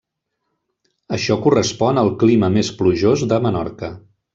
Això correspon al clima més plujós de Menorca.